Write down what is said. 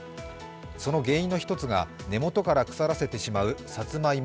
その原因の一つが根元から腐らせてしまうサツマイモ